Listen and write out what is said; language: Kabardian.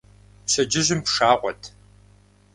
Пщэдджыжьым пшагъуэт.